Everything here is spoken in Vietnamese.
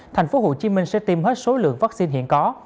thành phố hồ chí minh sẽ tiêm hết số lượng vaccine hiện có